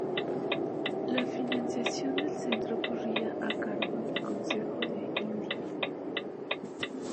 La financiación del centro corría a cargo del Consejo de Indias.